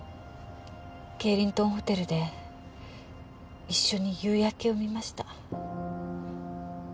ケイリントンホテルで一緒に夕焼けを見ました。